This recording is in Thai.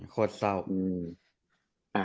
โคตรเศร้า